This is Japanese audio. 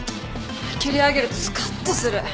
蹴り上げるとすかっとする。